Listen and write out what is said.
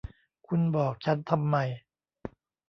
คุณบอกฉันทำไม